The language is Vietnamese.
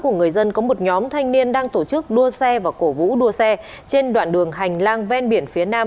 nhóm thanh niên đang tổ chức đua xe và cổ vũ đua xe trên đoạn đường hành lang ven biển phía nam